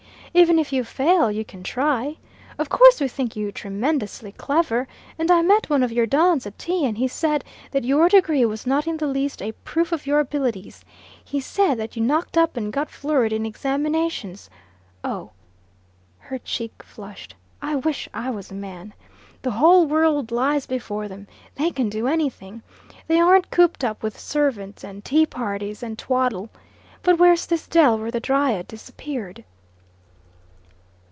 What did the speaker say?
Even if you fail, you can try. Of course we think you tremendously clever; and I met one of your dons at tea, and he said that your degree was not in the least a proof of your abilities: he said that you knocked up and got flurried in examinations. Oh!" her cheek flushed, "I wish I was a man. The whole world lies before them. They can do anything. They aren't cooped up with servants and tea parties and twaddle. But where's this dell where the Dryad disappeared?"